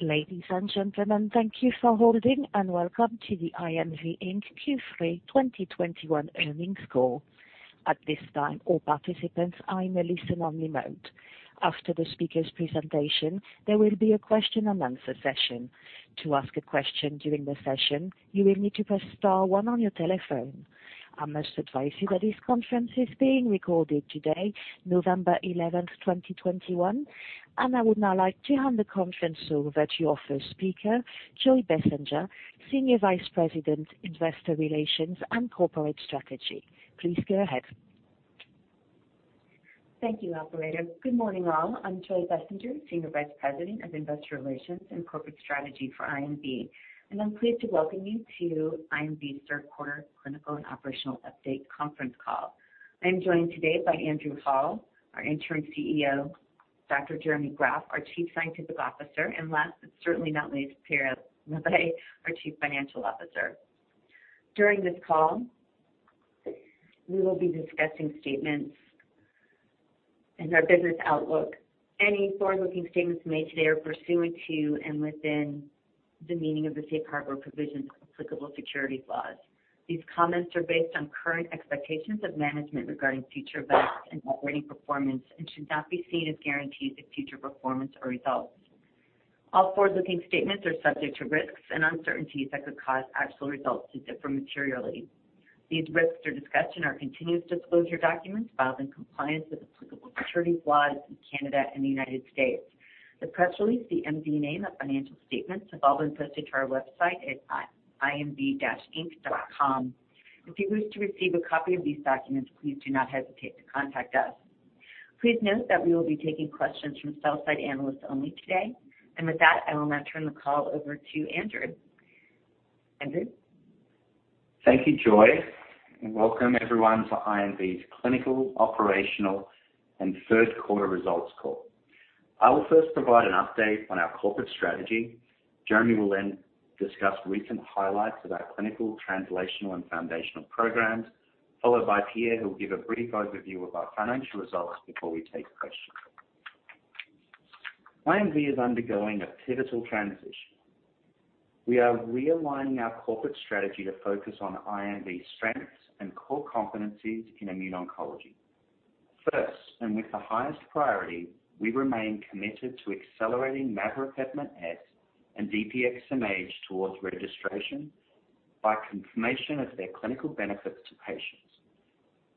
Ladies and gentlemen, thank you for holding and welcome to the IMV Inc. Q3 2021 earnings call. At this time, all participants are in a listen-only mode. After the speaker's presentation, there will be a question-and-answer session. To ask a question during the session, you will need to press star one on your telephone. I must advise you that this conference is being recorded today, November 11, 2021, and I would now like to hand the conference over to your first speaker, Joy Bessenger, Senior Vice President, Investor Relations and Corporate Strategy. Please go ahead. Thank you, operator. Good morning, all. I'm Joy Bessenger, Senior Vice President of Investor Relations and Corporate Strategy for IMV, and I'm pleased to welcome you to IMV's third quarter clinical and operational update conference call. I'm joined today by Andrew Hall, our Interim CEO, Dr. Jeremy Graff, our Chief Scientific Officer, and last but certainly not least, Pierre Labbé, our Chief Financial Officer. During this call, we will be discussing statements in our business outlook. Any forward-looking statements made today are pursuant to and within the meaning of the safe harbor provisions applicable securities laws. These comments are based on current expectations of management regarding future events and operating performance and should not be seen as guarantees of future performance or results. All forward-looking statements are subject to risks and uncertainties that could cause actual results to differ materially. These risks are discussed in our continuous disclosure documents filed in compliance with applicable securities laws in Canada and the United States. The press release, the MD&A, and the financial statements have all been posted to our website at imv-inc.com. If you wish to receive a copy of these documents, please do not hesitate to contact us. Please note that we will be taking questions from sell-side analysts only today. With that, I will now turn the call over to Andrew. Andrew? Thank you, Joy, and welcome everyone to IMV's clinical, operational, and third quarter results call. I will first provide an update on our corporate strategy. Jeremy will then discuss recent highlights of our clinical, translational, and foundational programs, followed by Pierre, who will give a brief overview of our financial results before we take questions. IMV is undergoing a pivotal transition. We are realigning our corporate strategy to focus on IMV's strengths and core competencies in immuno-oncology. First, and with the highest priority, we remain committed to accelerating Maveropepimut-S and DPX-SurMAGE towards registration by confirmation of their clinical benefits to patients.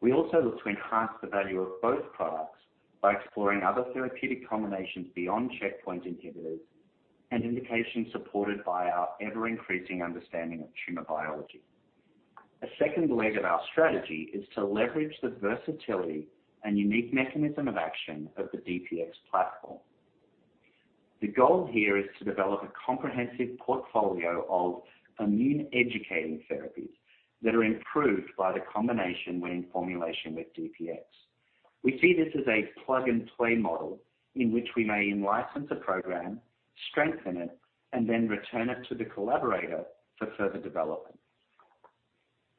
We also look to enhance the value of both products by exploring other therapeutic combinations beyond checkpoint inhibitors and indications supported by our ever-increasing understanding of tumor biology. A second leg of our strategy is to leverage the versatility and unique mechanism of action of the DPX platform. The goal here is to develop a comprehensive portfolio of immune-educating therapies that are improved by the combination when in formulation with DPX. We see this as a plug-and-play model in which we may in-license a program, strengthen it, and then return it to the collaborator for further development.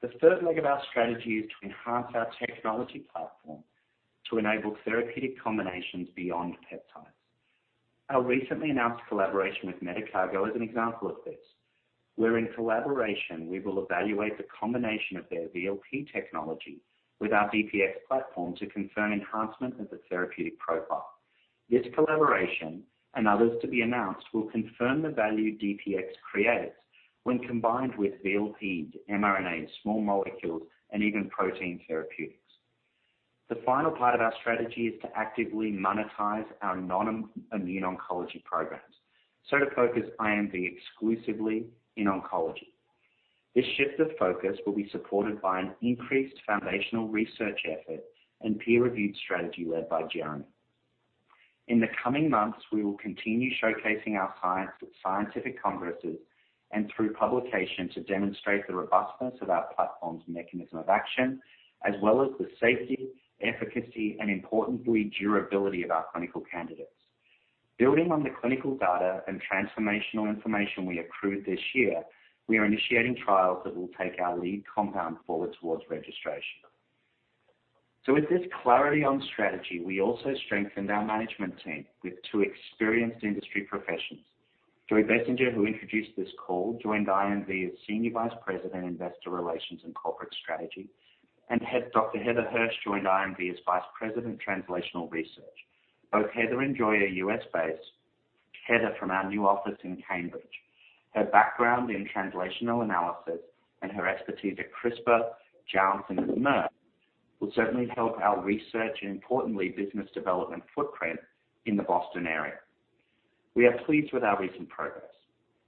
The third leg of our strategy is to enhance our technology platform to enable therapeutic combinations beyond peptides. Our recently announced collaboration with Medicago is an example of this, where in collaboration, we will evaluate the combination of their VLP technology with our DPX platform to confirm enhancement of the therapeutic profile. This collaboration and others to be announced will confirm the value DPX creates when combined with VLPs, mRNAs, small molecules, and even protein therapeutics. The final part of our strategy is to actively monetize our non-immune oncology programs, so to focus IMV exclusively in oncology. This shift of focus will be supported by an increased foundational research effort and peer-reviewed strategy led by Jeremy. In the coming months, we will continue showcasing our science at scientific congresses and through publication to demonstrate the robustness of our platform's mechanism of action, as well as the safety, efficacy, and importantly, durability of our clinical candidates. Building on the clinical data and transformational information we accrued this year, we are initiating trials that will take our lead compound forward towards registration. With this clarity on strategy, we also strengthened our management team with two experienced industry professionals. Joy Bessenger, who introduced this call, joined IMV as Senior Vice President, Investor Relations and Corporate Strategy, and Dr. Heather Hirsch joined IMV as Vice President, Translational Research. Both Heather and Joy are U.S.-based, Heather from our new office in Cambridge. Her background in translational research and her expertise at CRISPR, Janssen, and Merck will certainly help our research and, importantly, business development footprint in the Boston area. We are pleased with our recent progress.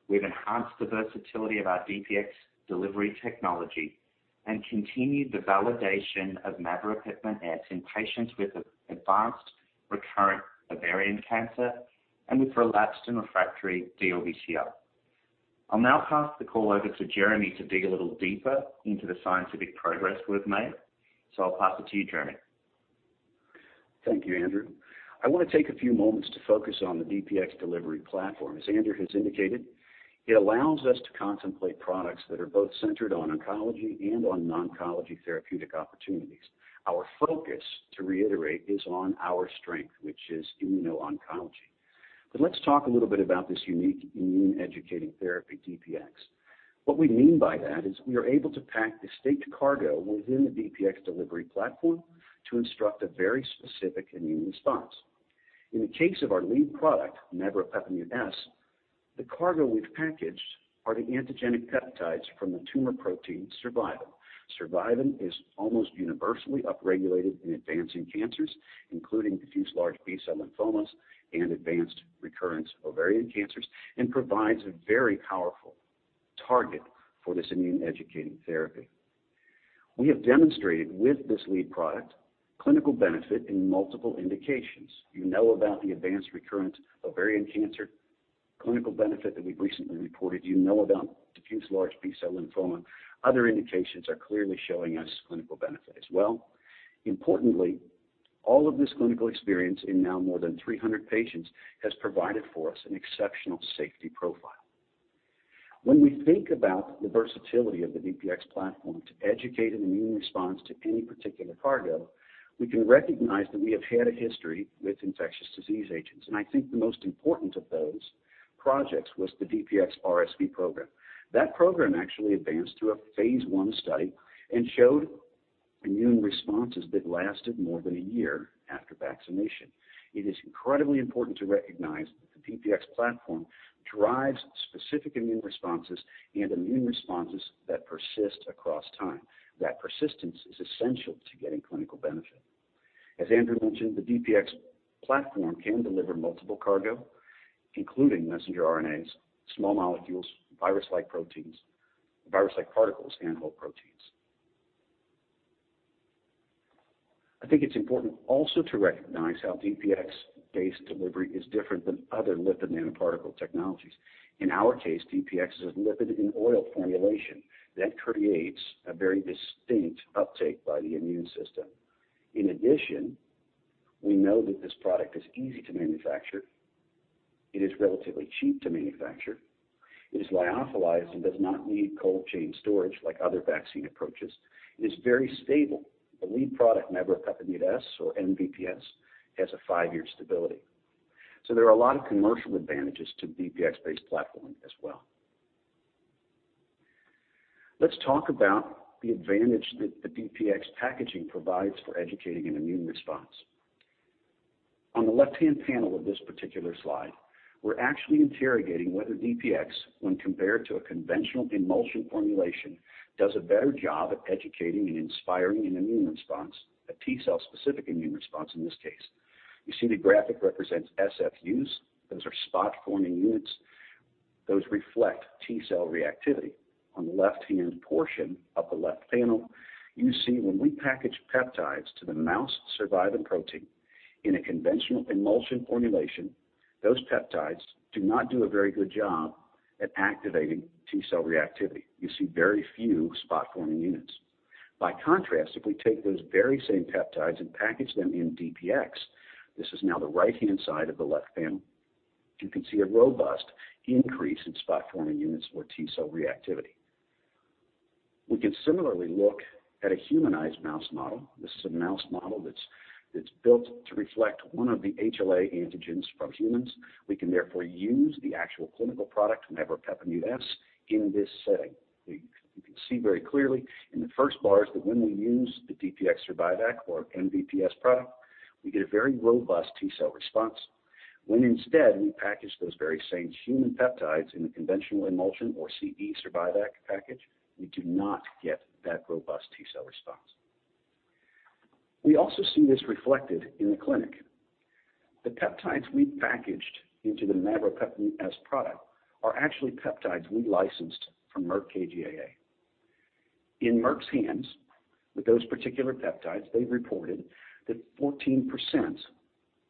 We've enhanced the versatility of our DPX delivery technology and continued the validation of Maveropepimut-S in patients with advanced recurrent ovarian cancer and with relapsed and refractory DLBCL. I'll now pass the call over to Jeremy to dig a little deeper into the scientific progress we've made. I'll pass it to you, Jeremy. Thank you, Andrew. I want to take a few moments to focus on the DPX delivery platform. As Andrew has indicated, it allows us to contemplate products that are both centered on oncology and on non-oncology therapeutic opportunities. Our focus, to reiterate, is on our strength, which is immuno-oncology. Let's talk a little bit about this unique immune educating therapy, DPX. What we mean by that is we are able to pack distinct cargo within the DPX delivery platform to instruct a very specific immune response. In the case of our lead product, Maveropepimut-S, the cargo we've packaged are the antigenic peptides from the tumor protein survivin. Survivin is almost universally upregulated in advancing cancers, including diffuse large B-cell lymphomas and advanced recurrent ovarian cancers, and provides a very powerful target for this immune educating therapy. We have demonstrated with this lead product clinical benefit in multiple indications. You know about the advanced recurrent ovarian cancer clinical benefit that we've recently reported. You know about diffuse large B-cell lymphoma. Other indications are clearly showing us clinical benefit as well. Importantly, all of this clinical experience, now in more than 300 patients has provided for us an exceptional safety profile. When we think about the versatility of the DPX platform to educate an immune response to any particular cargo, we can recognize that we have had a history with infectious disease agents, and I think the most important of those projects was the DPX-RSV program. That program actually advanced to a phase I study and showed immune responses that lasted more than a year after vaccination. It is incredibly important to recognize that the DPX platform drives specific immune responses and immune responses that persist across time. That persistence is essential to getting clinical benefit. As Andrew mentioned, the DPX platform can deliver multiple cargo, including messenger RNAs, small molecules, virus-like proteins, virus-like particles, and whole proteins. I think it's important also to recognize how DPX-based delivery is different than other lipid nanoparticle technologies. In our case, DPX is a lipid in oil formulation that creates a very distinct uptake by the immune system. In addition, we know that this product is easy to manufacture. It is relatively cheap to manufacture. It is lyophilized and does not need cold chain storage like other vaccine approaches. It is very stable. The lead product, Maveropepimut-S or MVP-S, has a five-year stability. There are a lot of commercial advantages to the DPX-based platform as well. Let's talk about the advantage that the DPX packaging provides for educating an immune response. On the left-hand panel of this particular slide, we're actually interrogating whether DPX, when compared to a conventional emulsion formulation, does a better job at educating and inspiring an immune response, a T-cell specific immune response in this case. You see the graphic represents SFUs. Those are spot forming units. Those reflect T-cell reactivity. On the left-hand portion of the left panel, you see when we package peptides to the mouse survivin protein in a conventional emulsion formulation, those peptides do not do a very good job at activating T-cell reactivity. You see very few spot forming units. By contrast, if we take those very same peptides and package them in DPX, this is now the right-hand side of the left panel, you can see a robust increase in spot forming units or T-cell reactivity. We can similarly look at a humanized mouse model. This is a mouse model that's built to reflect one of the HLA antigens from humans. We can therefore use the actual clinical product, Maveropepimut-S, in this setting. We can see very clearly in the first bars that when we use the DPX-Survivac or MVP-S product, we get a very robust T-cell response. When instead we package those very same human peptides in the conventional emulsion or CE-Survivac package, we do not get that robust T-cell response. We also see this reflected in the clinic. The peptides we packaged into the Maveropepimut-S product are actually peptides we licensed from Merck KGaA. In Merck's hands, with those particular peptides, they reported that 14%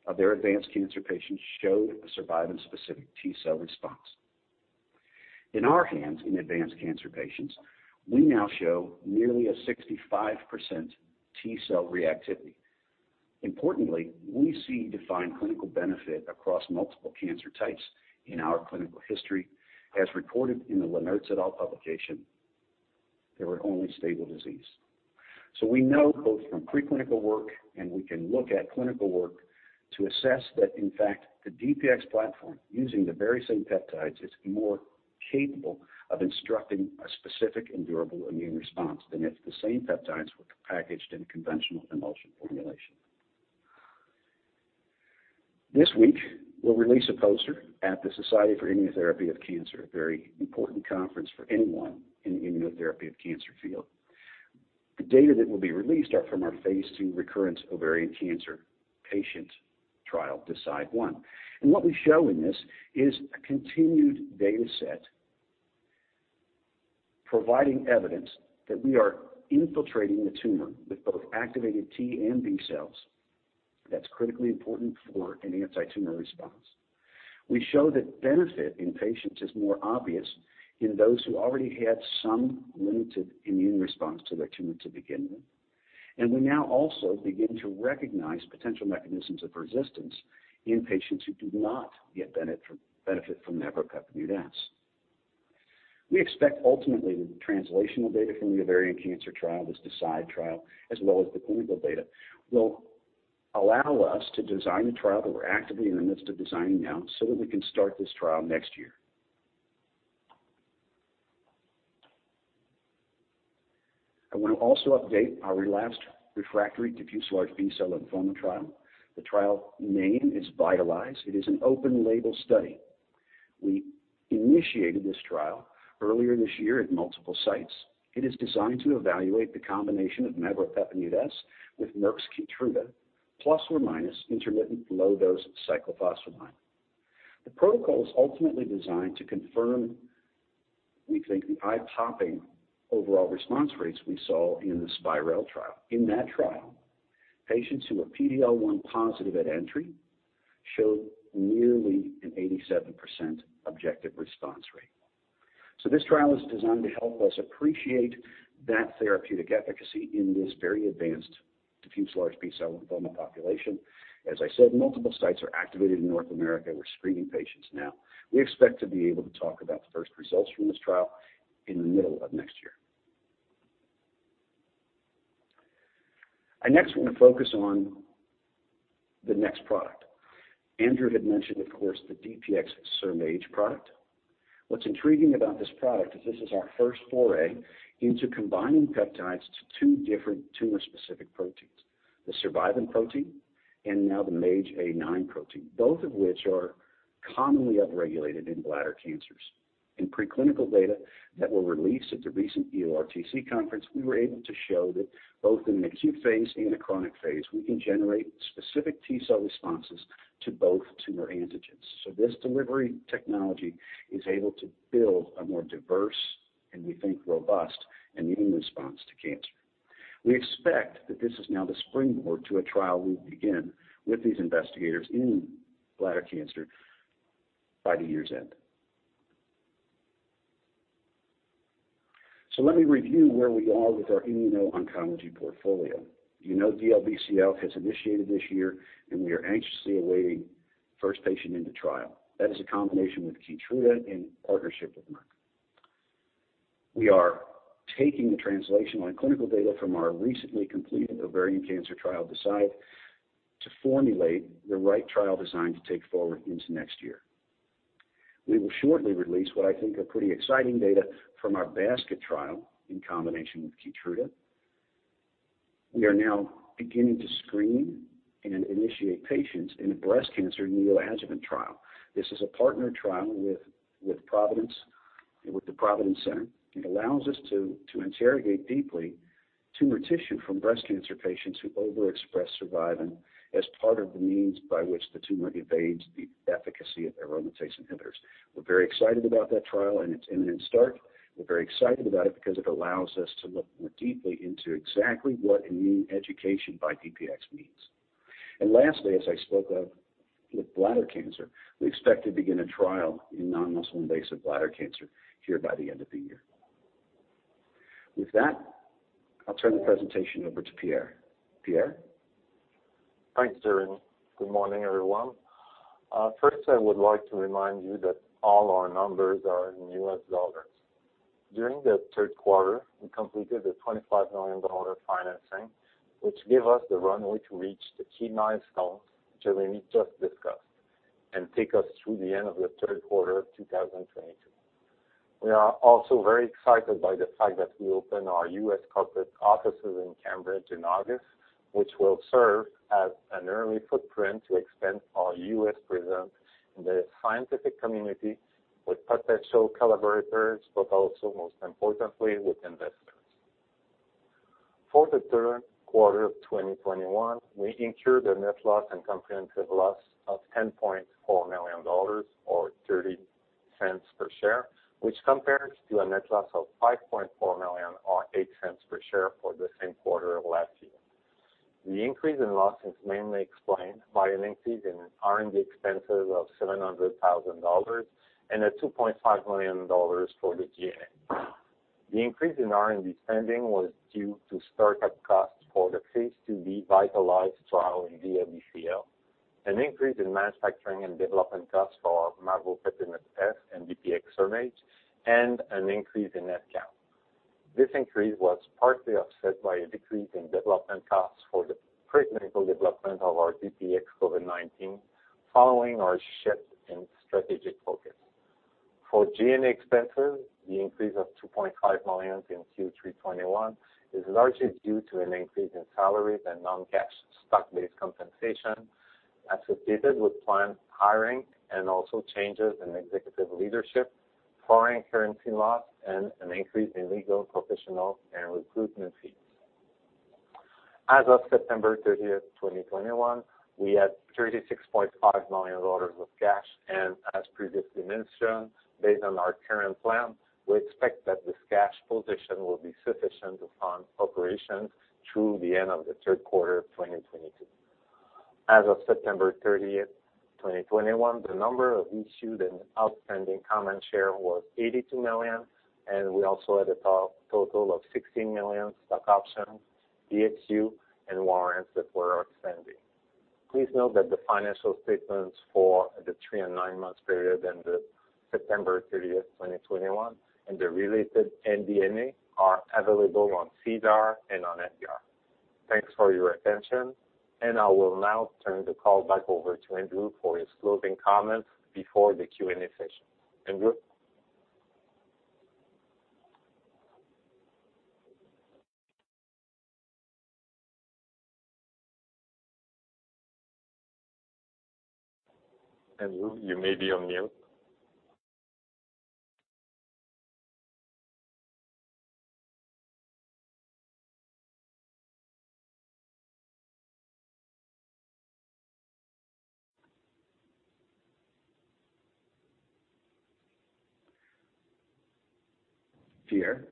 of their advanced cancer patients showed a survivin-specific T-cell response. In our hands, in advanced cancer patients, we now show nearly a 65% T-cell reactivity. Importantly, we see defined clinical benefit across multiple cancer types in our clinical history. As reported in the Lennerz et al. publication, they were only stable disease. We know both from preclinical work, and we can look at clinical work to assess that in fact, the DPX platform using the very same peptides is more capable of instructing a specific and durable immune response than if the same peptides were packaged in a conventional emulsion formulation. This week, we'll release a poster at the Society for Immunotherapy of Cancer, a very important conference for anyone in the immunotherapy of cancer field. The data that will be released are from our phase II recurrent ovarian cancer patient trial, DeCidE1. What we show in this is a continued data set providing evidence that we are infiltrating the tumor with both activated T and B cells. That's critically important for an antitumor response. We show that benefit in patients is more obvious in those who already had some limited immune response to their tumor to begin with. We now also begin to recognize potential mechanisms of resistance in patients who do not get benefit from Maveropepimut-S. We expect ultimately the translational data from the ovarian cancer trial, this DeCidE trial, as well as the clinical data, will allow us to design a trial that we're actively in the midst of designing now so that we can start this trial next year. I want to also update our relapsed refractory diffuse large B-cell lymphoma trial. The trial name is VITALIZE. It is an open label study. We initiated this trial earlier this year at multiple sites. It is designed to evaluate the combination of maveropepimut-S with Merck's Keytruda plus or minus intermittent low-dose cyclophosphamide. The protocol is ultimately designed to confirm, we think, the eye-popping overall response rates we saw in the SPiReL trial. In that trial, patients who were PD-L1 positive at entry showed nearly an 87% objective response rate. This trial is designed to help us appreciate that therapeutic efficacy in this very advanced diffuse large B-cell lymphoma population. As I said, multiple sites are activated in North America. We're screening patients now. We expect to be able to talk about the first results from this trial in the middle of next year. I next want to focus on the next product. Andrew had mentioned, of course, the DPX-SurMAGE product. What's intriguing about this product is this is our first foray into combining peptides to two different tumor-specific proteins, the survivin protein and now the Mage-A9 protein, both of which are commonly upregulated in bladder cancers. In preclinical data that were released at the recent EORTC conference, we were able to show that both in an acute phase and a chronic phase, we can generate specific T cell responses to both tumor antigens. This delivery technology is able to build a more diverse and we think robust immune response to cancer. We expect that this is now the springboard to a trial we begin with these investigators in bladder cancer by the year's end. Let me review where we are with our immuno-oncology portfolio. You know DLBCL has initiated this year, and we are anxiously awaiting first patient into trial. That is a combination with Keytruda in partnership with Merck. We are taking the translational and clinical data from our recently completed ovarian cancer trial, DeCidE1, to formulate the right trial design to take forward into next year. We will shortly release what I think are pretty exciting data from our basket trial in combination with Keytruda. We are now beginning to screen and initiate patients in a breast cancer neoadjuvant trial. This is a partner trial with Providence Cancer Institute. It allows us to interrogate deeply tumor tissue from breast cancer patients who overexpress survivin as part of the means by which the tumor evades the efficacy of aromatase inhibitors. We're very excited about that trial and its imminent start. We're very excited about it because it allows us to look more deeply into exactly what immune education by DPX means. Lastly, as I spoke of with bladder cancer, we expect to begin a trial in non-muscle invasive bladder cancer here by the end of the year. With that, I'll turn the presentation over to Pierre. Pierre? Thanks, Jeremy. Good morning, everyone. First, I would like to remind you that all our numbers are in U.S. dollars. During the third quarter, we completed a $25 million financing, which gave us the runway to reach the key milestones Jeremy just discussed and take us through the end of the third quarter of 2022. We are also very excited by the fact that we opened our U.S. corporate offices in Cambridge in August, which will serve as an early footprint to expand our U.S. presence in the scientific community with potential collaborators, but also most importantly with investors. For the third quarter of 2021, we incurred a net loss and comprehensive loss of $10.4 million or $0.30 per share, which compares to a net loss of $5.4 million or $0.08 per share for the same quarter of last year. The increase in loss is mainly explained by an increase in R&D expenses of $700,000 and $2.5 million for the G&A. The increase in R&D spending was due to startup costs for the phase IIb VITALIZE trial in DLBCL, an increase in manufacturing and development costs for Maveropepimut-S and DPX-SurMAGE, and an increase in headcount. This increase was partly offset by a decrease in development costs for the preclinical development of our DPX-COVID-19 following our shift in strategic focus. For G&A expenses, the increase of $2.5 million in Q3 2021 is largely due to an increase in salaries and non-cash stock-based compensation associated with planned hiring and also changes in executive leadership, foreign currency loss, and an increase in legal, professional, and recruitment fees. As of September 30, 2021, we had $36.5 million of cash, and as previously mentioned, based on our current plan, we expect that this cash position will be sufficient to fund operations through the end of the third quarter of 2022. As of September 30, 2021, the number of issued and outstanding common shares was 82 million, and we also had a total of 16 million stock options, DSUs, and warrants that were outstanding. Please note that the financial statements for the three- and nine-month period ended September 30, 2021, and the related MD&A are available on SEDAR and on EDGAR. Thanks for your attention. I will now turn the call back over to Andrew for his closing comments before the Q&A session. Andrew? Andrew, you may be on mute. Pierre?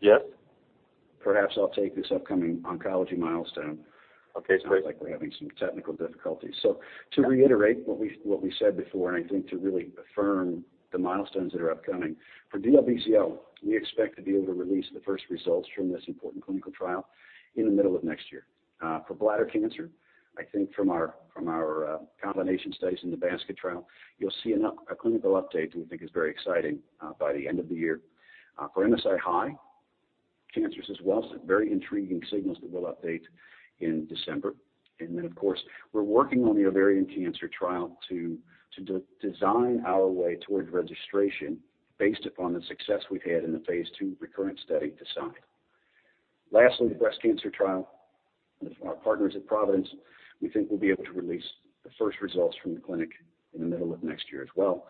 Yes. Perhaps I'll take this upcoming oncology milestone. Okay, great. Sounds like we're having some technical difficulties. To reiterate what we said before, and I think to really affirm the milestones that are upcoming. For DLBCL, we expect to be able to release the first results from this important clinical trial in the middle of next year. For bladder cancer, I think from our combination studies in the basket trial, you'll see a clinical update we think is very exciting, by the end of the year. For MSI-High cancers as well, some very intriguing signals that we'll update in December. Then, of course, we're working on the ovarian cancer trial to redesign our way towards registration based upon the success we've had in the phase II recurrent study design. Lastly, the breast cancer trial with our partners at Providence, we think we'll be able to release the first results from the clinic in the middle of next year as well.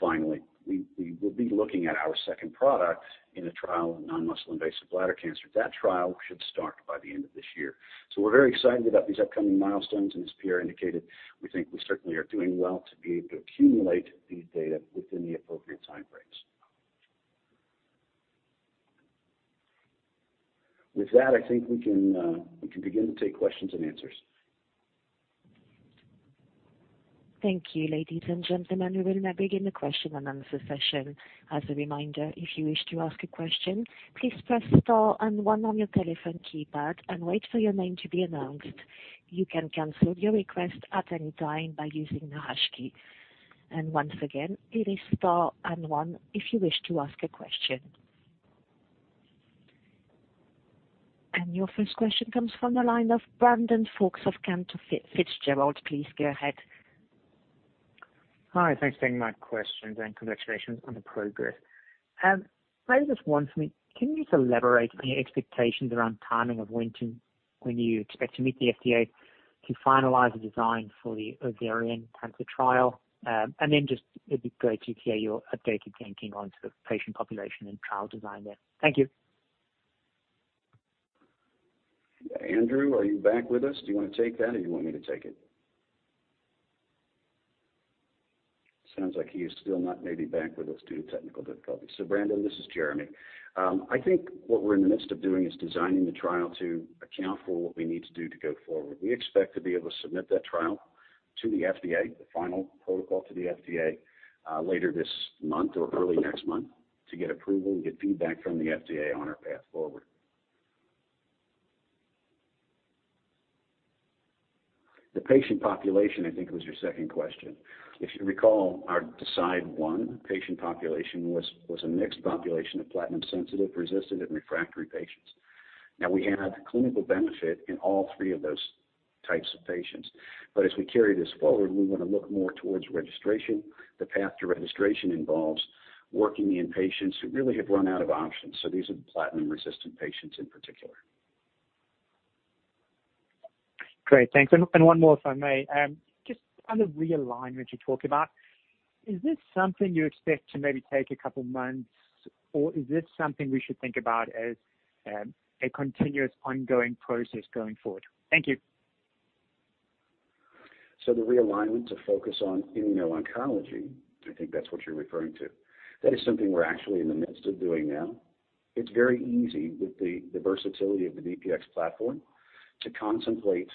Finally, we will be looking at our second product in a trial of non-muscle invasive bladder cancer. That trial should start by the end of this year. We're very excited about these upcoming milestones, and as Pierre indicated, we think we certainly are doing well to be able to accumulate these data within the appropriate time frames. With that, I think we can begin to take questions and answers. Thank you, ladies and gentlemen. We will now begin the question-and-answer session. As a reminder, if you wish to ask a question, please press star and one on your telephone keypad and wait for your name to be announced. You can cancel your request at any time by using the hash key. Once again, it is star and one if you wish to ask a question. Your first question comes from the line of Brandon Folkes of Cantor Fitzgerald. Please go ahead. Hi. Thanks for taking my questions and congratulations on the progress. Maybe just one for me. Can you elaborate on your expectations around timing of when you expect to meet the FDA to finalize the design for the ovarian cancer trial? Just it'd be great to hear your updated thinking on sort of patient population and trial design there. Thank you. Andrew, are you back with us? Do you wanna take that or do you want me to take it? Sounds like he is still not maybe back with us due to technical difficulties. Brandon Folkes, this is Jeremy Graff. I think what we're in the midst of doing is designing the trial to account for what we need to do to go forward. We expect to be able to submit that trial to the FDA, the final protocol to the FDA, later this month or early next month to get approval and get feedback from the FDA on our path forward. The patient population, I think, was your second question. If you recall, our DeCidE1 patient population was a mixed population of platinum sensitive, resistant and refractory patients. Now, we had clinical benefit in all three of those types of patients. As we carry this forward, we wanna look more towards registration. The path to registration involves working in patients who really have run out of options. These are the platinum-resistant patients in particular. Great. Thanks. One more if I may. Just on the realignment you talked about, is this something you expect to maybe take a couple months, or is this something we should think about as a continuous ongoing process going forward? Thank you. The realignment to focus on immuno-oncology, I think that's what you're referring to. That is something we're actually in the midst of doing now. It's very easy with the versatility of the DPX platform to contemplate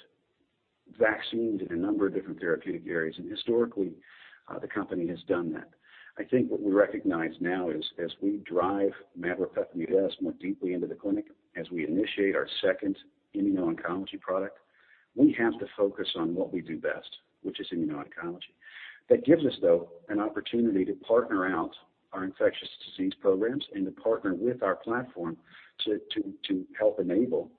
vaccines in a number of different therapeutic areas, and historically, the company has done that. I think what we recognize now is, as we drive maveropepimut-S more deeply into the clinic, as we initiate our second immuno-oncology product, we have to focus on what we do best, which is immuno-oncology. That gives us, though, an opportunity to partner out our infectious disease programs and to partner with our platform to help enable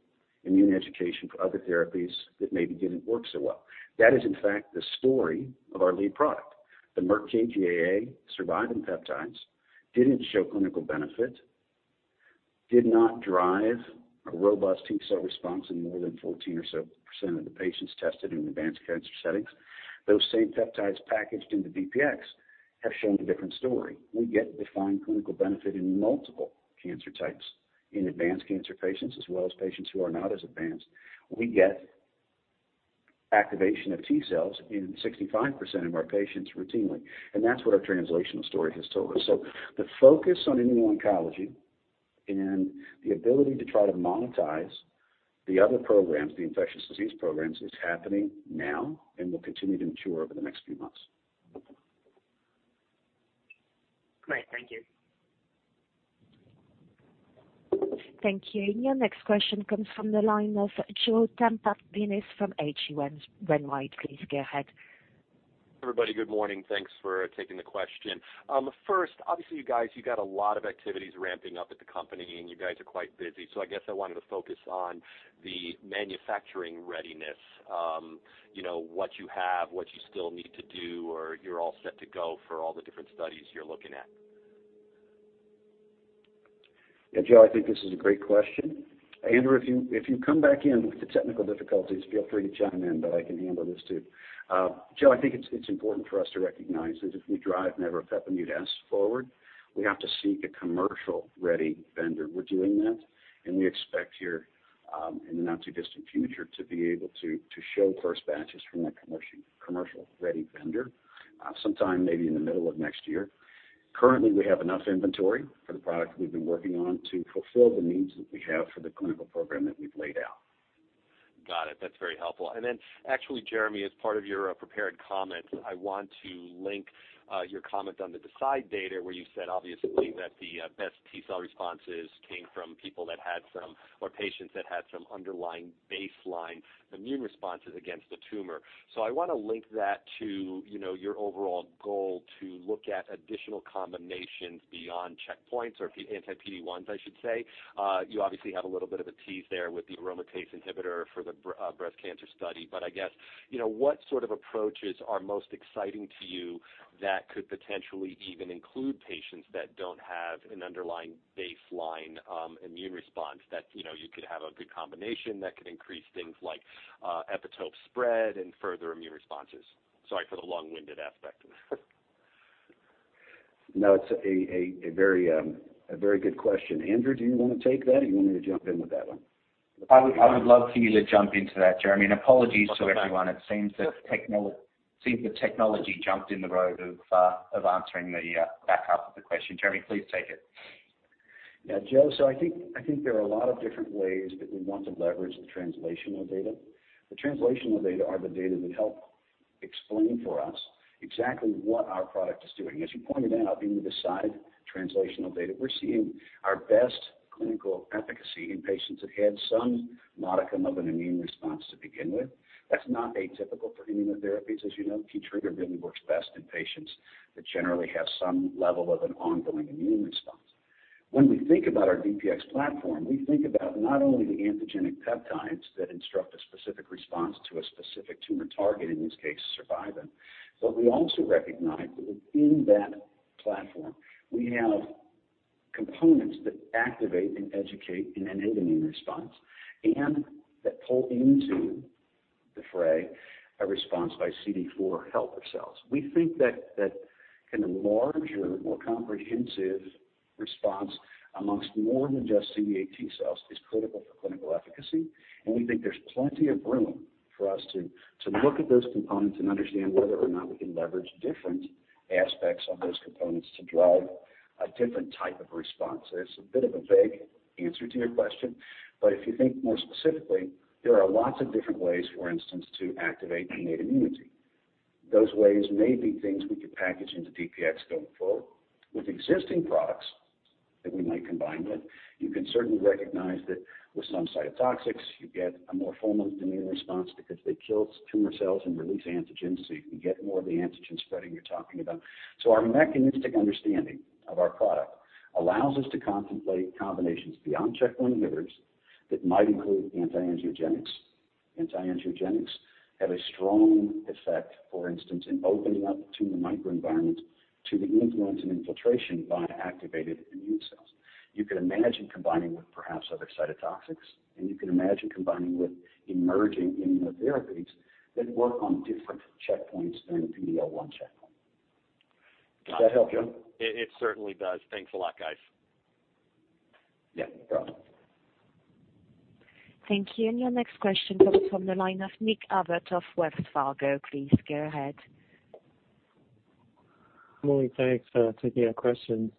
immune education for other therapies that maybe didn't work so well. That is, in fact, the story of our lead product. The Merck KGaA survivin peptides didn't show clinical benefit, did not drive a robust T-cell response in more than 14% or so of the patients tested in advanced cancer settings. Those same peptides packaged into DPX have shown a different story. We get defined clinical benefit in multiple cancer types in advanced cancer patients as well as patients who are not as advanced. We get activation of T-cells in 65% of our patients routinely, and that's what our translational story has told us. The focus on immuno-oncology and the ability to try to monetize the other programs, the infectious disease programs, is happening now and will continue to mature over the next few months. Great. Thank you. Thank you. Your next question comes from the line of Joe Pantginis from H.C. Wainwright. Please go ahead. Everybody, good morning. Thanks for taking the question. First, obviously, you guys, you got a lot of activities ramping up at the company, and you guys are quite busy. I guess I wanted to focus on the manufacturing readiness, you know, what you have, what you still need to do, or you're all set to go for all the different studies you're looking at. Yeah, Joe, I think this is a great question. Andrew, if you come back in with the technical difficulties, feel free to chime in, but I can handle this too. Joe, I think it's important for us to recognize that if we drive Maveropepimut-S forward, we have to seek a commercial ready vendor. We're doing that, and we expect here in the not-too-distant future to be able to show first batches from that commercial ready vendor sometime maybe in the middle of next year. Currently, we have enough inventory for the product we've been working on to fulfill the needs that we have for the clinical program that we've laid out. Got it. That's very helpful. Then actually, Jeremy, as part of your prepared comments, I want to link your comment on the DeCidE1 data, where you said, obviously, that the best T-cell responses came from people that had some or patients that had some underlying baseline immune responses against the tumor. I wanna link that to, you know, your overall goal to look at additional combinations beyond checkpoints or anti-PD-1s, I should say. You obviously have a little bit of a tease there with the aromatase inhibitor for the breast cancer study. I guess, you know, what sort of approaches are most exciting to you that could potentially even include patients that don't have an underlying baseline immune response that, you know, you could have a good combination that could increase things like epitope spread and further immune responses? Sorry for the long-winded aspect of that. No, it's a very good question. Andrew, do you wanna take that, or you want me to jump in with that one? I would love for you to jump into that, Jeremy. Apologies to everyone. Okay. It seems the technology jumped into the role of answering the back half of the question. Jeremy, please take it. Yeah, Joe, I think there are a lot of different ways that we want to leverage the translational data. The translational data are the data that help explain for us exactly what our product is doing. As you pointed out in the DeCidE1 translational data, we're seeing our best clinical efficacy in patients that had some modicum of an immune response to begin with. That's not atypical for immunotherapies. As you know, Keytruda really works best in patients that generally have some level of an ongoing immune response. When we think about our DPX platform, we think about not only the antigenic peptides that instruct a specific response to a specific tumor target, in this case, survivin, but we also recognize that within that platform, we have components that activate and educate and enable immune response and that pull into the fray a response by CD4 helper cells. We think that in a larger, more comprehensive response amongst more than just CD8 T cells is critical for clinical efficacy, and we think there's plenty of room for us to look at those components and understand whether or not we can leverage different aspects of those components to drive a different type of response. It's a bit of a vague answer to your question, but if you think more specifically, there are lots of different ways, for instance, to activate innate immunity. Those ways may be things we could package into DPX going forward. With existing products that we might combine with, you can certainly recognize that with some cytotoxics, you get a more formal immune response because they kill tumor cells and release antigens, so you can get more of the antigen spreading you're talking about. Our mechanistic understanding of our product allows us to contemplate combinations beyond checkpoint inhibitors that might include anti-angiogenics. Anti-angiogenics have a strong effect, for instance, in opening up the tumor microenvironment to the influence and infiltration by activated immune cells. You could imagine combining with perhaps other cytotoxics, and you can imagine combining with emerging immunotherapies that work on different checkpoints than the PD-L1 checkpoint. Does that help, Joe? It certainly does. Thanks a lot, guys. Yeah. No problem. Thank you. Your next question comes from the line of Nick Abbott of Wells Fargo. Please go ahead. Morning. Thanks for taking our questions.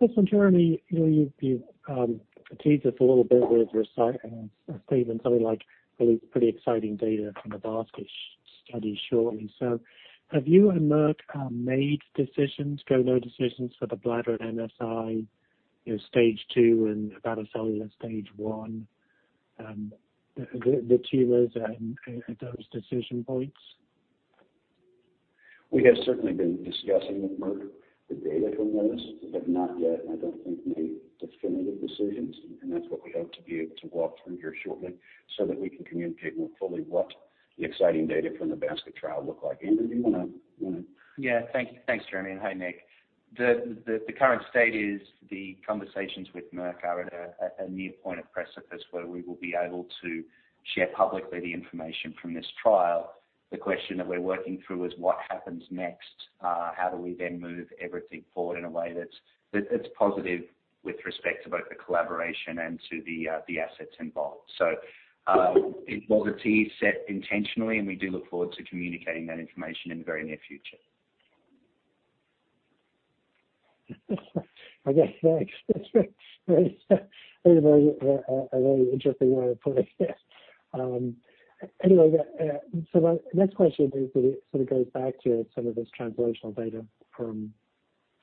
Listen, Jeremy, you know, you've teased us a little bit with your slides and statement, something like, I believe, pretty exciting data from the basket study shortly. Have you and Merck made go/no-go decisions for the bladder MSI stage two and ovarian stage one, the tumors at those decision points? We have certainly been discussing with Merck the data from those, but have not yet, I don't think, made definitive decisions, and that's what we hope to be able to walk through here shortly so that we can communicate more fully what the exciting data from the Basket trial look like. Andrew, do you wanna? Yeah. Thank you. Thanks, Jeremy, and hi, Nick. The current state is the conversations with Merck are at a near point of precipice where we will be able to share publicly the information from this trial. The question that we're working through is what happens next? How do we then move everything forward in a way that's positive with respect to both the collaboration and to the assets involved? It was a tease set intentionally, and we do look forward to communicating that information in the very near future. Okay. Thanks. That's a very interesting way to put it. Anyway, my next question sort of goes back to some of this translational data from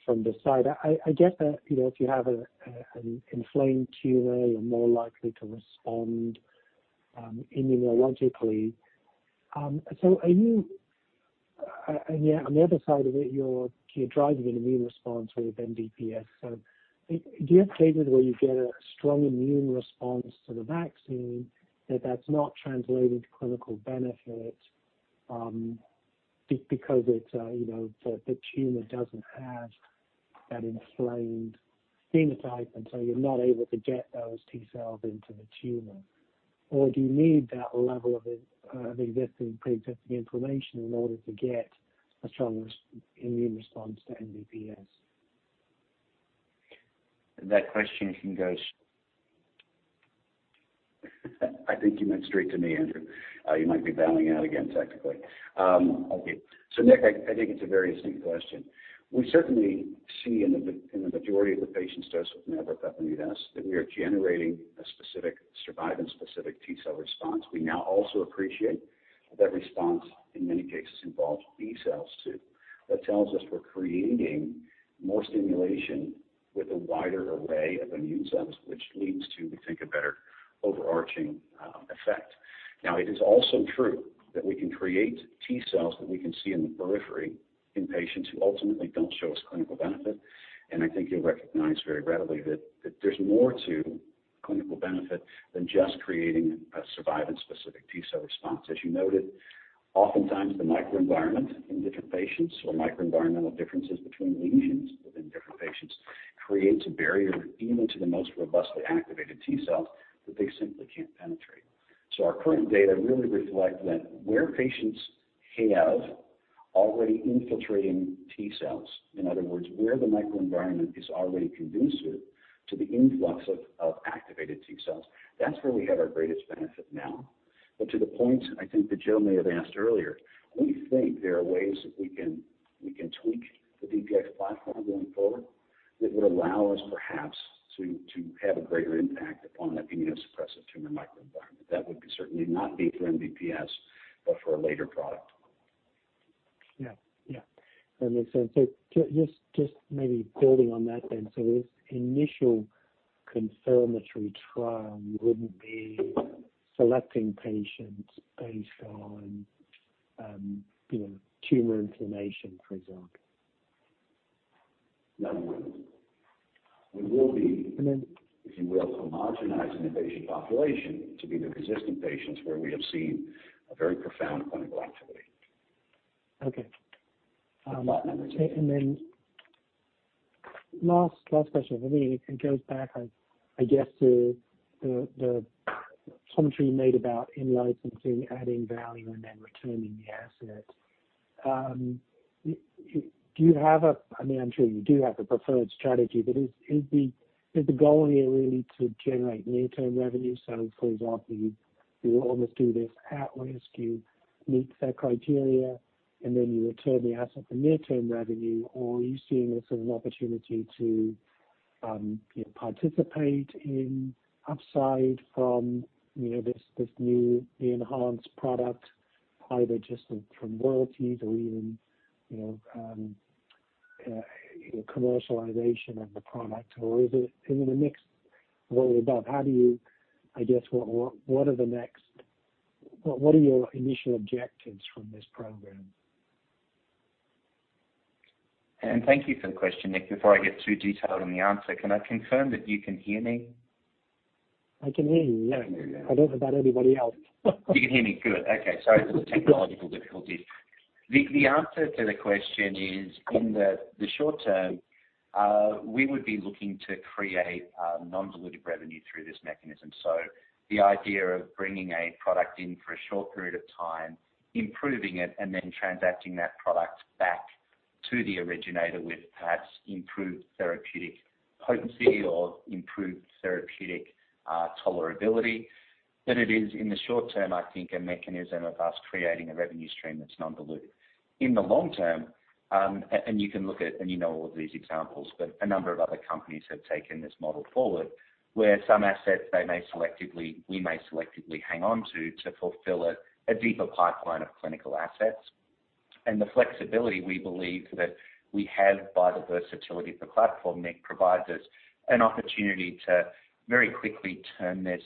the study. I get that, you know, if you have an inflamed tumor, you're more likely to respond immunologically. And yeah, on the other side of it, you're driving an immune response with MVP-S. Do you have cases where you get a strong immune response to the vaccine that's not translated to clinical benefit because, you know, the tumor doesn't have that inflamed phenotype, and so you're not able to get those T cells into the tumor? Or do you need that level of preexisting inflammation in order to get a strong immune response to MVP-S? That question can go. I think you went straight to me, Andrew. You might be bowing out again technically. Okay. Nick, I think it's a very distinct question. We certainly see in the majority of the patients dosed with Maveropepimut-S that we are generating a specific survivin-specific T-cell response. We now also appreciate that response, in many cases, involves B cells too. That tells us we're creating more stimulation with a wider array of immune cells, which leads to, we think, a better overarching effect. Now, it is also true that we can create T cells that we can see in the periphery in patients who ultimately don't show us clinical benefit. I think you'll recognize very readily that there's more to clinical benefit than just creating a survivin-specific T-cell response. As you noted, oftentimes the microenvironment in different patients or microenvironmental differences between lesions within different patients creates a barrier even to the most robustly activated T-cells that they simply can't penetrate. Our current data really reflect that where patients have already infiltrating T-cells, in other words, where the microenvironment is already conducive to the influx of activated T-cells, that's where we have our greatest benefit now. To the point I think that Joe may have asked earlier, we think there are ways that we can tweak the DPX platform going forward that would allow us perhaps to have a greater impact upon that immunosuppressive tumor microenvironment. That would certainly not be for MVP-S, but for a later product. Yeah. Yeah, that makes sense. Just maybe building on that then. This initial confirmatory trial wouldn't be selecting patients based on, you know, tumor inflammation, for example? No, we wouldn't. We will be- And then- if you will, homogenizing the patient population to be the persistent patients where we have seen a very profound clinical activity. Okay. But- Last question for me. It goes back, I guess to the point you made about in-licensing, adding value, and then returning the asset. I mean, I'm sure you do have a preferred strategy, but is the goal here really to generate near-term revenue? For example, you almost do this at-risk, you meet their criteria, and then you return the asset for near-term revenue. Are you seeing this as an opportunity to, you know, participate in upside from, you know, this new enhanced product, either just from royalties or even, you know, commercialization of the product? Is it in the mix or all about? I guess, what are your initial objectives from this program? Thank you for the question, Nick. Before I get too detailed on the answer, can I confirm that you can hear me? I can hear you, yeah. There we go. I don't know about anybody else. You can hear me, good. Okay. Sorry for the technological difficulty. The answer to the question is, in the short term, we would be looking to create non-dilutive revenue through this mechanism. The idea of bringing a product in for a short period of time, improving it, and then transacting that product back to the originator with perhaps improved therapeutic potency or improved therapeutic tolerability. That it is, in the short term, I think, a mechanism of us creating a revenue stream that's non-dilutive. In the long term, and you can look at, and you know all of these examples, but a number of other companies have taken this model forward, where some assets we may selectively hang on to fulfill a deeper pipeline of clinical assets. The flexibility we believe that we have by the versatility of the platform, Nick, provides us an opportunity to very quickly turn this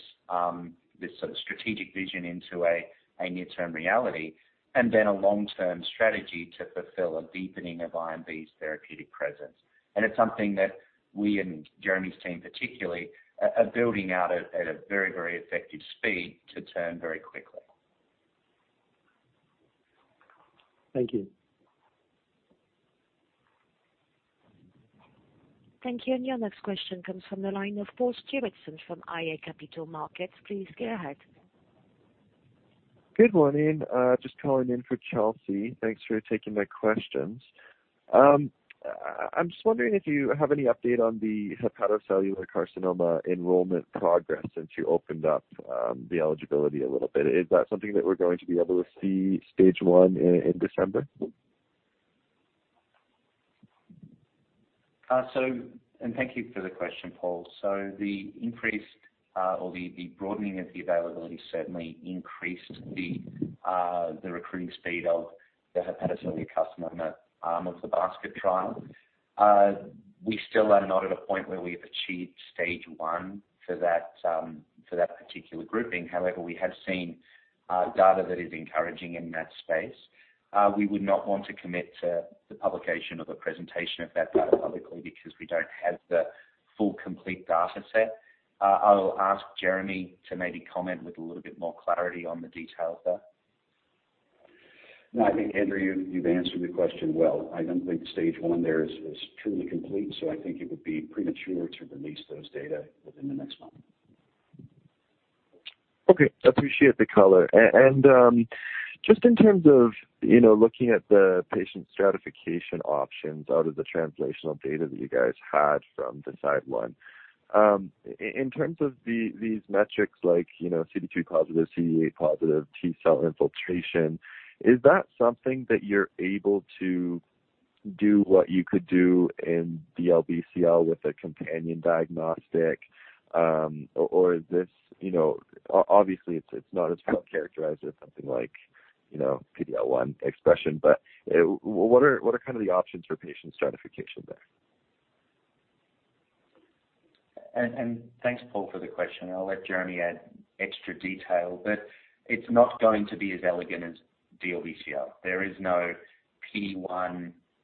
sort of strategic vision into a near-term reality, and then a long-term strategy to fulfill a deepening of IMV's therapeutic presence. It's something that we and Jeremy's team particularly are building out at a very effective speed to turn very quickly. Thank you. Thank you. Your next question comes from the line of Paul Stephenson from iA Capital Markets. Please go ahead. Good morning. Just calling in for Chelsea. Thanks for taking my questions. I'm just wondering if you have any update on the hepatocellular carcinoma enrollment progress since you opened up the eligibility a little bit. Is that something that we're going to be able to see stage one in December? Thank you for the question, Paul. The broadening of the availability certainly increased the recruiting speed of the hepatocellular carcinoma in that arm of the basket trial. We still are not at a point where we've achieved stage 1 for that particular grouping. However, we have seen data that is encouraging in that space. We would not want to commit to the publication of a presentation of that data publicly because we don't have the full complete data set. I'll ask Jeremy to maybe comment with a little bit more clarity on the details there. No, I think, Andrew, you've answered the question well. I don't think stage one there is truly complete, so I think it would be premature to release those data within the next month. Okay. Appreciate the color. Just in terms of, you know, looking at the patient stratification options out of the translational data that you guys had from DeCidE1, in terms of these metrics like, you know, CD3 positive, CD8 positive T cell infiltration, is that something that you're able to do what you could do in DLBCL with a companion diagnostic? Or is this obviously, it's not as well characterized as something like, you know, PD-L1 expression. But what are kind of the options for patient stratification there? Thanks, Paul, for the question. I'll let Jeremy add extra detail. It's not going to be as elegant as DLBCL. There is no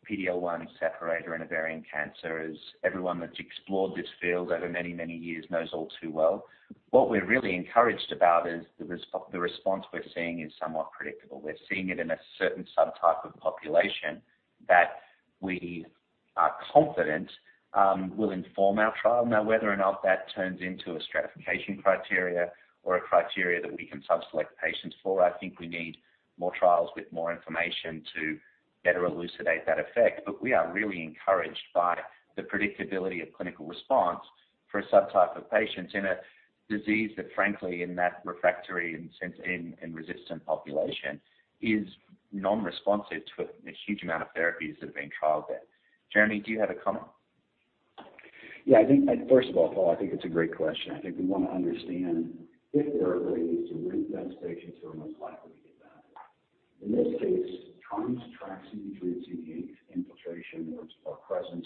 PD-L1 separator in ovarian cancer as everyone that's explored this field over many, many years knows all too well. What we're really encouraged about is the response we're seeing is somewhat predictable. We're seeing it in a certain subtype of population that we are confident will inform our trial. Now, whether or not that turns into a stratification criteria or a criteria that we can sub-select patients for, I think we need more trials with more information to better elucidate that effect. We are really encouraged by the predictability of clinical response for a subtype of patients in a disease that frankly, in that refractory and resistant population, is non-responsive to a huge amount of therapies that have been trialed there. Jeremy, do you have a comment? Yeah. I think, first of all, Paul, I think it's a great question. I think we want to understand if there are ways to recruit those patients who are most likely to get that. In this case, trying to track CD3 and CD8 infiltration or presence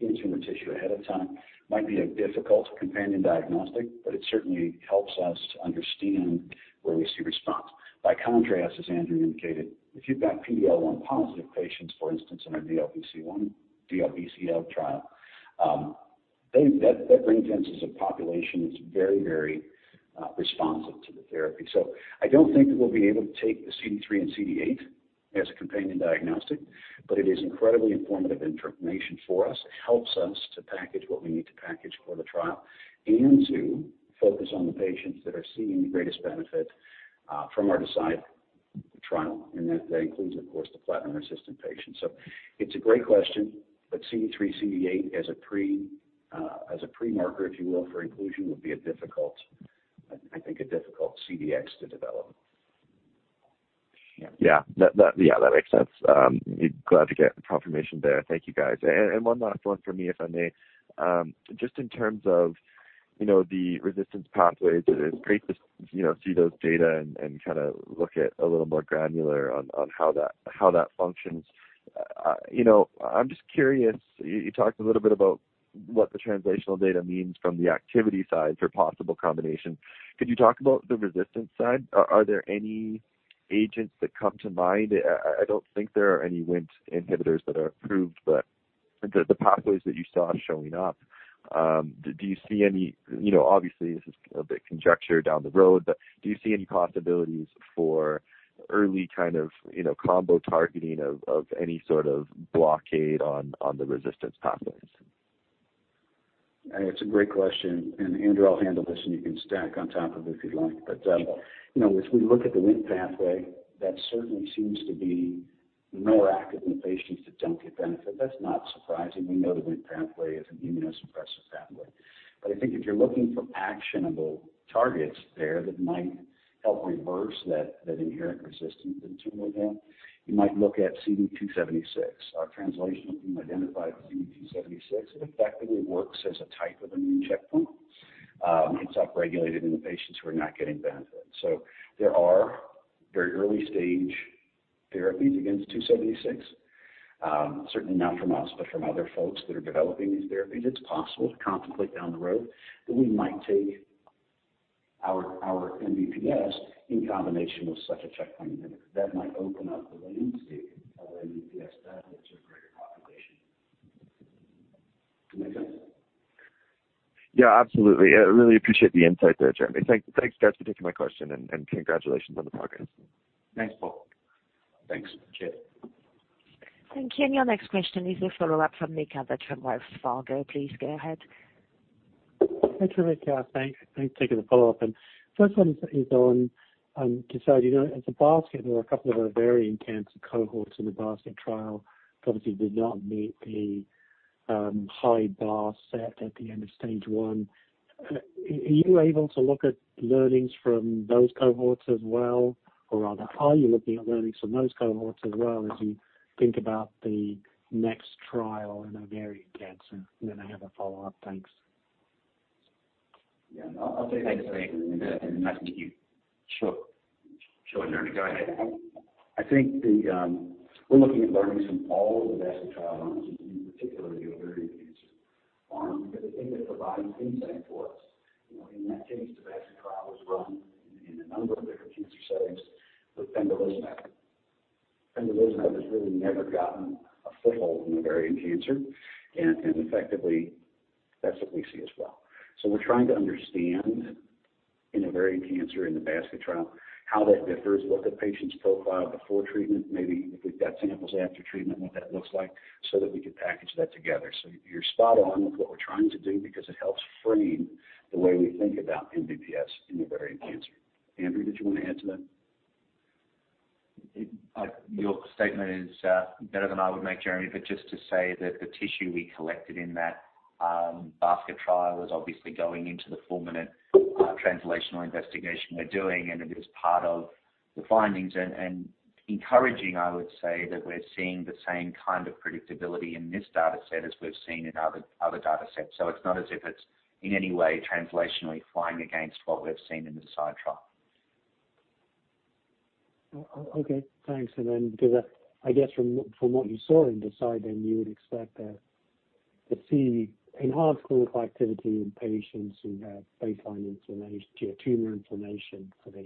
in tumor tissue ahead of time might be a difficult companion diagnostic, but it certainly helps us to understand where we see response. By contrast, as Andrew indicated, if you've got PD-L1 positive patients, for instance, in a DLBCL trial, that ring fences a population that's very responsive to the therapy. I don't think that we'll be able to take the CD3 and CD8 as a companion diagnostic, but it is incredibly informative information for us. It helps us to package what we need to package for the trial and to focus on the patients that are seeing the greatest benefit from our DeCidE trial. That includes, of course, the platinum resistant patients. It's a great question, but CD3, CD8 as a pre-marker, if you will, for inclusion, would be a difficult CDX to develop. Yeah. That makes sense. Glad to get confirmation there. Thank you, guys. One last one for me, if I may. Just in terms of, you know, the resistance pathways, it's great to see those data and kind of look at a little more granular on how that functions. You know, I'm just curious, you talked a little bit about what the translational data means from the activity side for possible combination. Could you talk about the resistance side? Are there any agents that come to mind? I don't think there are any WNT inhibitors that are approved, but the pathways that you saw showing up, do you see any? You know, obviously, this is a bit conjectural down the road, but do you see any possibilities for early kind of, you know, combo targeting of any sort of blockade on the resistance pathways? It's a great question. Andrew, I'll handle this, and you can stack on top of it if you'd like. You know, as we look at the WNT pathway, that certainly seems to be more active in patients that don't get benefit. That's not surprising. We know the WNT pathway is an immunosuppressive pathway. I think if you're looking for actionable targets there that might help reverse that inherent resistance in the tumor then, you might look at CD276. Our translational team identified CD276. It effectively works as a type of immune checkpoint. It's upregulated in the patients who are not getting benefit. There are very early stage therapies against CD276, certainly not from us, but from other folks that are developing these therapies. It's possible to contemplate down the road that we might take our MVP-S in combination with such a checkpoint inhibitor. That might open up the landscape of MVP-S benefits for a greater population. Make sense? Yeah, absolutely. I really appreciate the insight there, Jeremy. Thanks guys for taking my question and congratulations on the progress. Thanks, Paul. Thanks. Thank you. Your next question is a follow-up from Nick Abbott from Wells Fargo. Please go ahead. Hi, Jeremy and Andrew. Thanks. Thanks for taking the follow-up. First one is on DeCidE1. You know, as a basket, there were a couple of ovarian cancer cohorts in the basket trial, obviously did not meet the high bar set at the end of Stage One. Are you able to look at learnings from those cohorts as well? Or rather, are you looking at learnings from those cohorts as well as you think about the next trial in ovarian cancer? Then I have a follow-up. Thanks. Yeah. No, I'll tell you and nice to meet you. Sure. Sure, Jeremy, go ahead. We're looking at learnings from all of the basket trial arms, in particular the ovarian cancer arm, because I think that provides insight for us. You know, in that case, the basket trial was run in a number of different cancer settings with pembrolizumab. Pembrolizumab has really never gotten a foothold in ovarian cancer and effectively that's what we see as well. We're trying to understand in ovarian cancer in the basket trial how that differs, what the patient's profile before treatment, maybe if we've got samples after treatment, what that looks like, so that we could package that together. You're spot on with what we're trying to do because it helps frame the way we think about MVP-S in ovarian cancer. Andrew, did you want to add to that? Your statement is better than I would make it, Jeremy, but just to say that the tissue we collected in that basket trial is obviously going into the full-fledged translational investigation we're doing, and it is part of the findings and encouraging. I would say that we're seeing the same kind of predictability in this data set as we've seen in other data sets. It's not as if it's in any way translationally flying against what we've seen in the DeCidE trial. Okay, thanks. Because I guess from what you saw in DeCidE1, then you would expect to see enhanced clinical activity in patients who have baseline inflammation, low tumor inflammation for the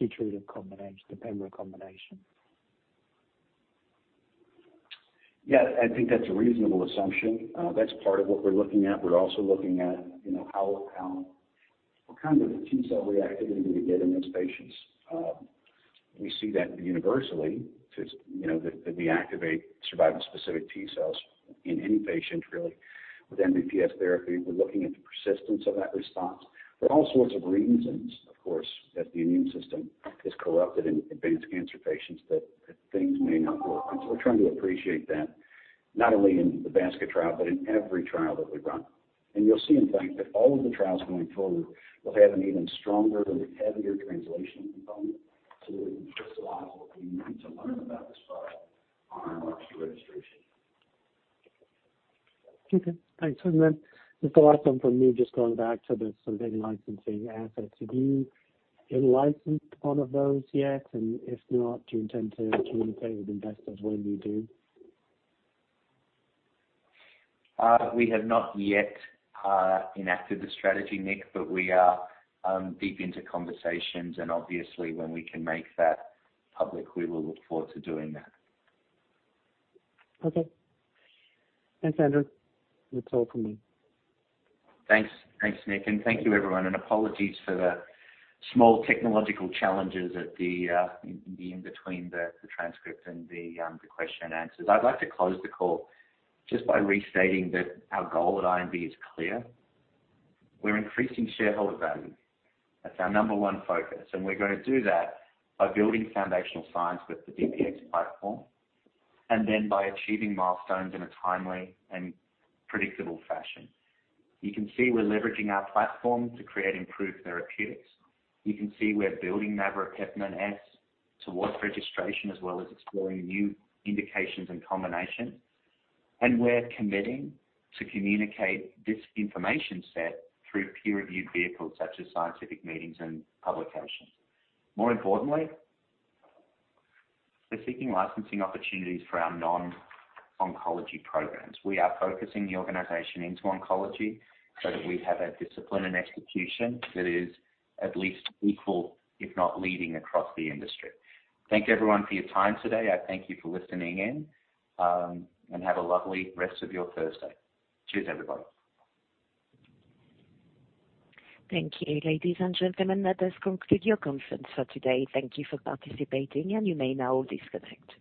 Keytruda-treated combination, the pembro combination. Yeah, I think that's a reasonable assumption. That's part of what we're looking at. We're also looking at, you know, how what kind of T-cell reactivity we get in those patients. We see that universally, you know, that we activate survivin-specific T cells in any patient really with MVP-S therapy. We're looking at the persistence of that response. There are all sorts of reasons, of course, that the immune system is corrupted in advanced cancer patients, that things may not work. We're trying to appreciate that not only in the basket trial, but in every trial that we run. You'll see in fact that all of the trials going forward will have an even stronger and heavier translational component to crystallize what we need to learn about this product on our march to registration. Okay, thanks. Just the last one from me, just going back to some big licensing assets. Have you in-licensed one of those yet? And if not, do you intend to communicate with investors when you do? We have not yet enacted the strategy, Nick, but we are deep into conversations and obviously when we can make that public, we will look forward to doing that. Okay. Thanks Andrew. That's all from me. Thanks. Thanks Nick, and thank you everyone and apologies for the small technological challenges in between the transcript and the question and answers. I'd like to close the call just by restating that our goal at IMV is clear. We're increasing shareholder value. That's our number one focus, and we're gonna do that by building foundational science with the DPX platform, and then by achieving milestones in a timely and predictable fashion. You can see we're leveraging our platform to create improved therapeutics. You can see we're building Maveropepimut-S towards registration, as well as exploring new indications and combinations. We're committing to communicate this information set through peer review vehicles such as scientific meetings and publications. More importantly, we're seeking licensing opportunities for our non-oncology programs. We are focusing the organization into oncology so that we have a discipline and execution that is at least equal, if not leading across the industry. Thank you everyone for your time today. I thank you for listening in, and have a lovely rest of your Thursday. Cheers, everybody. Thank you, ladies and gentlemen. That does conclude your conference for today. Thank you for participating and you may now disconnect.